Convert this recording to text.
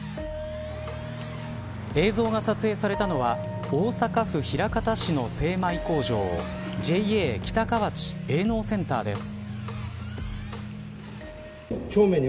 映像が撮影されたのは大阪府枚方市の精米工場ＪＡ北河内営農センターです。